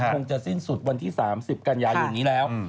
คงจะสิ้นสุดวันที่๓๐กันยายนนี้แล้ว